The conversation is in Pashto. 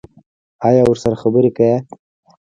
ایا ورسره خبرې کوئ؟